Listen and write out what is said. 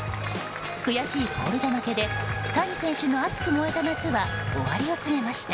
悔しいコールド負けで谷選手の熱く燃えた夏は終わりを告げました。